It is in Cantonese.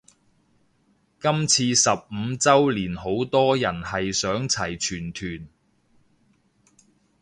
今次十五周年好多人係想齊全團